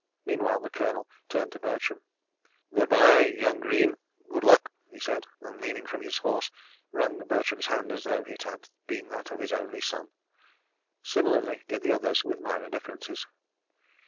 Meanwhile, the Colonel turned to Bertram. "Good by, young Greene. Good luck," he said, and leaning from his horse, wrung Bertram's hand as though it had been that of his only son. Similarly did the others, with minor differences.